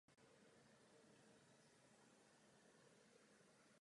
Akumulační vodní elektrárny pracují jen na principu mechanické akumulace.